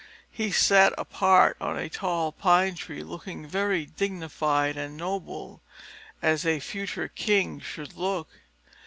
He sat apart on a tall pine tree, looking very dignified and noble, as a future king should look.